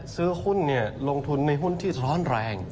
ซื้อหุ้นเนี่ยลงทุนในหุ้นที่ทรอนแรง